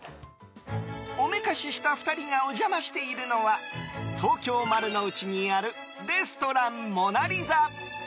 おめかしした２人がお邪魔しているのは東京・丸の内にあるレストランモナリザ。